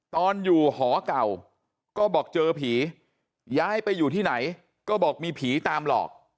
ตอนอยู่หอเก่าก็บอกเจอผีย้ายไปอยู่ที่ไหนก็บอกมีผีตามหลอก